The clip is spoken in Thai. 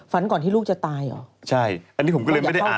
ฝันก่อนที่ลูกจะตายเหรออยากเข้าไปใช่อันนี้ผมก็เลยไม่ได้อ่าน